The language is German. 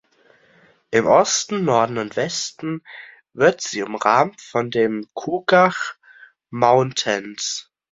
Im Osten, Norden und Westen wird sie umrahmt von den Chugach Mountains.